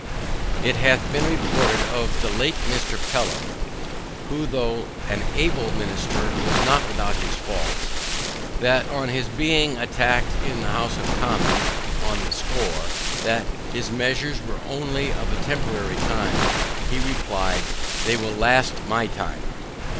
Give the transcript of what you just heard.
It hath been reported of the late Mr Pelham (who tho' an able minister was not without his faults) that on his being attacked in the house of commons, on the score, that his measures were only of a temporary kind, replied, "THEY WILL LAST MY TIME."